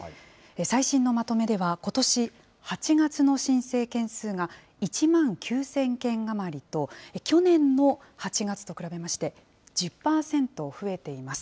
最新のまとめでは、ことし８月の申請件数が１万９０００件余りと、去年の８月と比べまして１０％増えています。